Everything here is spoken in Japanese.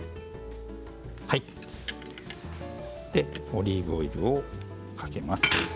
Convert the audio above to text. そしてオリーブオイルをかけます。